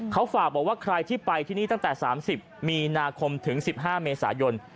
เขาฝากบอกว่าใครที่ไปที่นี่ตั้งแต่๓๐มีนาคมถึง๑๕เมษายน